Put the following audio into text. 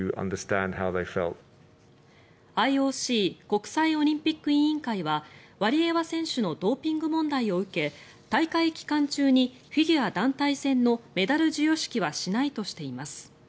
ＩＯＣ・国際オリンピック委員会はワリエワ選手のドーピング問題を受け大会期間中にフィギュア団体戦のメダル授与式はしないとしています。